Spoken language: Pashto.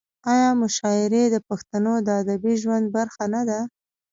آیا مشاعرې د پښتنو د ادبي ژوند برخه نه ده؟